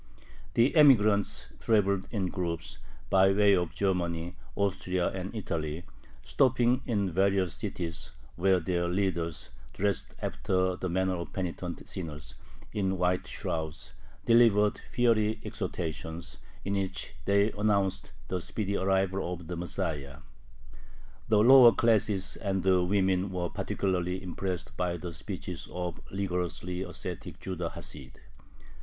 The emigrants traveled in groups, by way of Germany, Austria, and Italy, stopping in various cities, where their leaders, dressed, after the manner of penitent sinners, in white shrouds, delivered fiery exhortations, in which they announced the speedy arrival of the Messiah. The lower classes and the women were particularly impressed by the speeches of the rigorously ascetic Judah Hasid.